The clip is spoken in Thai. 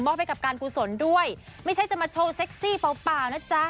ไปกับการกุศลด้วยไม่ใช่จะมาโชว์เซ็กซี่เปล่าเปล่านะจ๊ะ